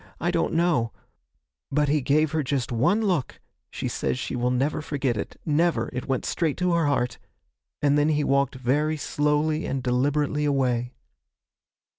I don't know but he gave her just one look (she says she will never forget it never; it went straight to her heart), and then he walked very slowly and deliberately away.